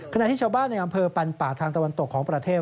ขณะที่ชาวบ้านในอำเภอปันป่าทางตะวันตกของประเทศ